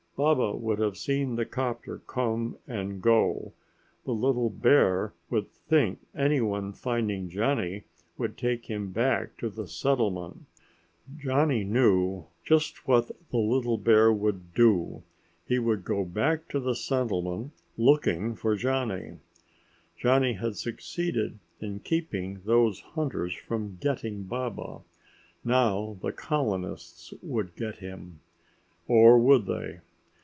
Baba would have seen the 'copter come and go. The little bear would think anyone finding Johnny would take him back to the settlement. Johnny knew just what the little bear would do. He would go back to the settlement looking for Johnny! Johnny had succeeded in keeping those hunters from getting Baba; now the colonists would get him. Or would they?